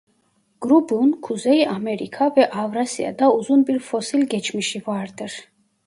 Grubun Kuzey Amerika ve Avrasya'da uzun bir fosil geçmişi vardır.